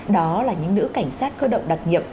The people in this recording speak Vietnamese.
đó là những nữ cảnh sát cơ động đặc nhiệm